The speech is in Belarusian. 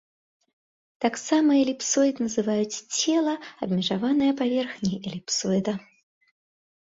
Таксама эліпсоід называюць цела, абмежаванае паверхняй эліпсоіда.